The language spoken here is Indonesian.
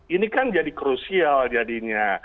ini kan jadi krusial jadinya